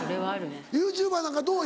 ＹｏｕＴｕｂｅｒなんかどう？